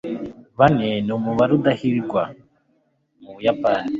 bane numubare udahirwa mubuyapani